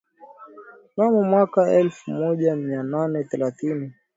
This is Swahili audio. mnamo mwaka elfu moja mia nane thelathini